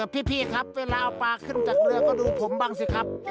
พี่ครับเวลาเอาปลาขึ้นจากเรือก็ดูผมบ้างสิครับ